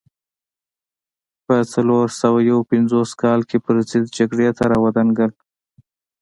په څلور سوه یو پنځوس کال کې پرضد جګړې ته را ودانګل.